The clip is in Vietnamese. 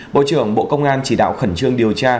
bộ trưởng bộ công an chỉ đạo khẩn trương điều tra